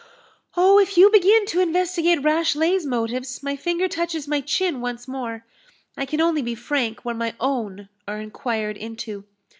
"Oh, if you begin to investigate Rashleigh's motives, my finger touches my chin once more. I can only be frank where my own are inquired into.